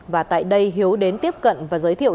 và tại đây hiếu đến tiếp cận và giới thiệu